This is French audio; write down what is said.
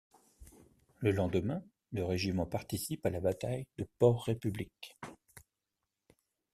Le lendemain, le régiment participe à la bataille de Port Republic.